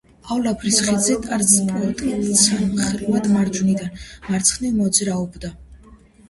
ავლაბრის ხიდზე ტრანსპორტი ცალმხრივად, მარჯვნიდან მარცხნივ მოძრაობდა.